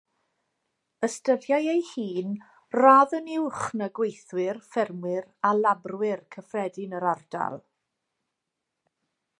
Ystyriai ei hun radd yn uwch na gweithwyr, ffermwyr a labrwyr cyffredin yr ardal.